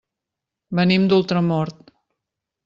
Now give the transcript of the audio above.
Venim d'Ultramort.